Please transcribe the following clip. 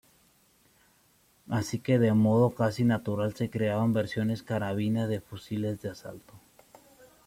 Así que de modo casi natural se crearon versiones carabina de fusiles de asalto.